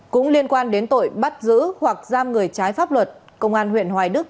cũng liên quan đến tội bắt giữ hoặc giam người trái pháp luật công an huyện hoài đức